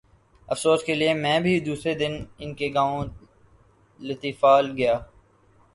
افسوس کیلئے میں بھی دوسرے دن ان کے گاؤں لطیفال گیا۔